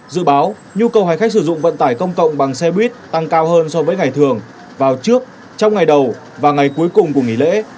dự báo nhu cầu hành khách sử dụng vận tải công cộng bằng xe buýt tăng cao hơn so với ngày thường vào trước trong ngày đầu và ngày cuối cùng của nghỉ lễ